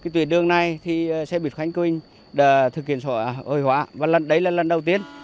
tuyến đường này sẽ bị khánh quynh thực hiện sở hội hóa và đấy là lần đầu tiên